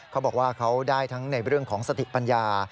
เขาบอกว่าเขาได้ทั้งในเรื่องของสติปัญญา